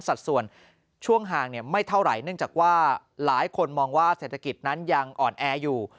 สัดส่วนช่วงห่างไม่เท่าไหร่เนื่องจากว่าหลายคนมองว่าเศรษฐกิจนั้นยังอ่อนแออยู่